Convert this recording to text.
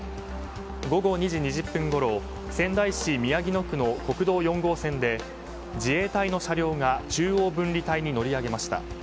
午後２時２０分ごろ仙台市宮城野区の国道４号線で自衛隊の車両が中央分離帯に乗り上げました。